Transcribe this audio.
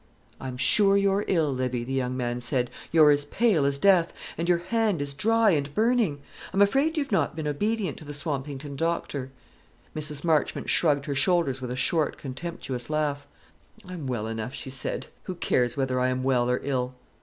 "I'm sure you're ill, Livy," the young man said; "you're as pale as death, and your hand is dry and burning. I'm afraid you've not been obedient to the Swampington doctor." Mrs. Marchmont shrugged her shoulders with a short contemptuous laugh. "I am well enough," she said. "Who cares whether I am well or ill?"